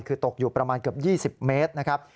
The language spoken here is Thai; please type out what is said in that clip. คือตกอยู่ประมาณเกือบ๒๐เมตรนะครับ